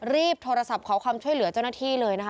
รีบโทรศัพท์ขอความช่วยเหลือเจ้าหน้าที่เลยนะคะ